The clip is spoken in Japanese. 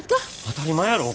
当たり前やろ。